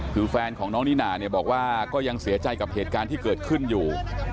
คือแฟนของน้องนิน่าเนี่ยบอกว่าก็ยังเสียใจกับเหตุการณ์ที่เกิดขึ้นอยู่